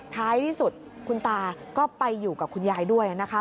ท้ายที่สุดคุณตาก็ไปอยู่กับคุณยายด้วยนะคะ